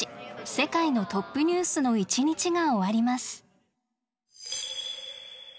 世界のトップニュース」の一日が終わります。